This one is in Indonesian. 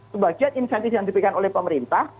sebagian insentif yang diberikan oleh pemerintah